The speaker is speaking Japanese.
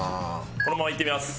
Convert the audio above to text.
このままいってみます。